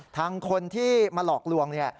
ทางคนที่มาหลอกลวง